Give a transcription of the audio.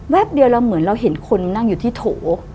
เดียวเราเหมือนเราเห็นคนนั่งอยู่ที่โถ